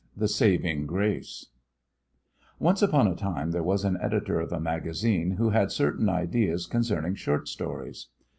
V THE SAVING GRACE Once upon a time there was an editor of a magazine who had certain ideas concerning short stories.